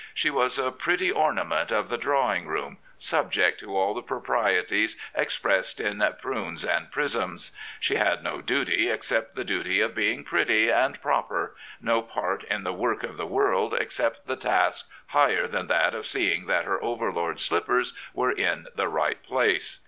She was a pretty ornament of the drawing room, subject to all the proprieties expressed in '' prunes and prisms.'* She had no duty except the duty of being pretty and proper, no part in the work of the world except the task higher than that of seeing that her overlord's slippers were in the right place.